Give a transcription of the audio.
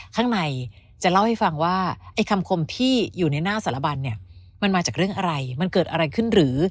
ข้างในจะเล่าให้ฟังว่าไอ้คำคมที่อยู่ในหน้าสารบันเนี่ยมันมาจากเรื่องอะไรมันเกิดอะไรขึ้นหรือ